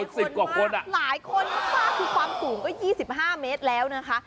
สิบกว่าคนอ่ะหลายคนมากคือความสูงก็๒๕เมตรแล้วนะคะ